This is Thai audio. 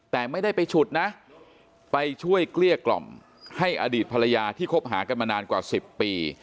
แต่ไม่ได้ไปฉุดนะไปช่วยเกลี้ยกล่อมให้อดีตภรรยาที่คบหากันมานานกว่า๑๐ปี